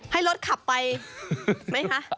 ให้รถขับไปไหมคะ